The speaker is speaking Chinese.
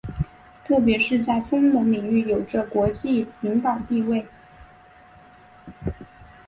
特别是在风能领域有着国际领导地位。